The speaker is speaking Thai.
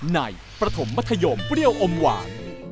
ประถมมัธยมเปรี้ยวอมหวาน